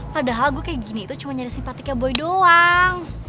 padahal gua kayak gini itu cuma nyaris simpatiknya boy doang